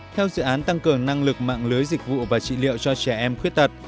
theo dự án tăng cường năng lực mạng lưới dịch vụ và trị liệu cho trẻ em khuyết tật